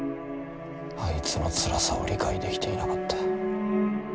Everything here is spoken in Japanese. あいつのつらさを理解できていなかった。